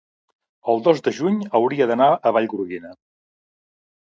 el dos de juny hauria d'anar a Vallgorguina.